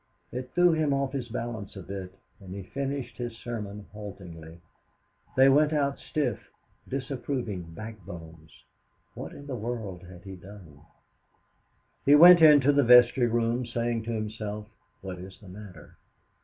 It threw him off his balance a bit, and he finished his sermon haltingly. They went out stiff, disapproving backbones. What in the world had he done? He went into the vestry room, saying to himself, "What is the matter?"